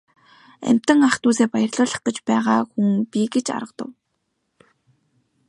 Амьтан ах дүүсээ баярлуулах гэж байгаа хүн би гэж аргадав.